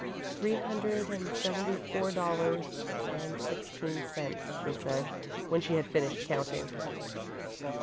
"Three hundred and seventy four dollars and sixteen cents," she said, when she had finished counting.